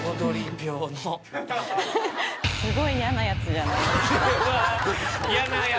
すごい嫌なやつじゃない。